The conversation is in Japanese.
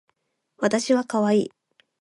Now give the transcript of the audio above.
わたしはかわいい